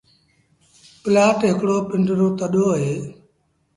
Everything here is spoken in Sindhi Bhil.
پلآٽ هڪڙو پنڊرو تڏو اهي۔